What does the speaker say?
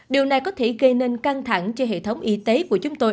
điều này có thể gây nên căng thẳng cho hệ thống y tế của chúng tôi